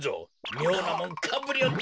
みょうなもんかぶりおって。